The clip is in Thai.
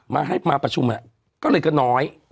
มาให้มาประชุมก็เลยก็น้อย